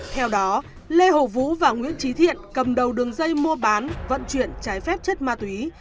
theo đó lê hồ vũ và nguyễn trí thiện cầm đầu đường dây mua bán vận chuyển trái phép chất ma túy